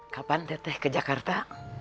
kapan teteh ke jakarta